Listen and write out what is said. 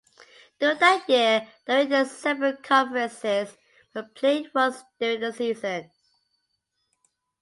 During that year they were in separate conferences, but played once during the season.